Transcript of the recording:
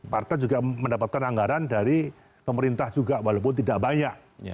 partai juga mendapatkan anggaran dari pemerintah juga walaupun tidak banyak